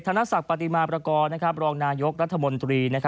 นศักดิ์ปฏิมาประกอบรองนายกรัฐมนตรี